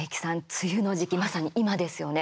梅雨の時期、まさに今ですよね。